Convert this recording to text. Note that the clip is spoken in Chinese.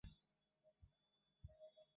刘熙在前赵灭亡后被杀。